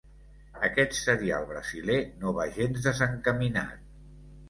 Aquest serial brasiler no va gens desencaminat.